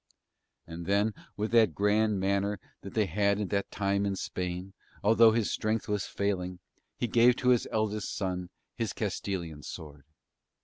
And then with that grand manner that they had at that time in Spain, although his strength was failing, he gave to his eldest son his Castilian sword.